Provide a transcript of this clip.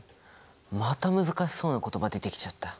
また難しそうな言葉出てきちゃった。